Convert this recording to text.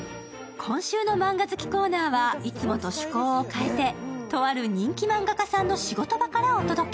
今週のマンガ好きコーナーはいつもと趣向を変えてとある人気漫画家さんの仕事場からお届け。